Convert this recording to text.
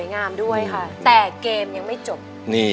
ยังไม่มีให้รักยังไม่มี